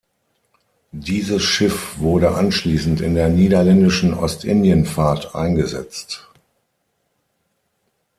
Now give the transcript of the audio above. Dieses Schiff wurde anschließend in der Niederländischen Ostindien-Fahrt eingesetzt.